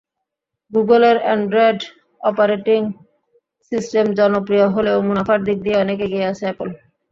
গুগলের Android operating system জনপ্রিয় হলেও মুনাফার দিক দিয়ে অনেক এগিয়ে আছে অ্যাপল।